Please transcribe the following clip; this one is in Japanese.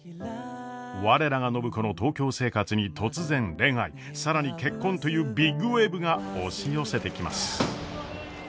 我らが暢子の東京生活に突然恋愛更に結婚というビッグウエーブが押し寄せてきます。